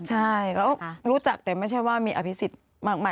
ใช่แล้วรู้จักแต่ไม่ใช่ว่ามีอภิษฎมาก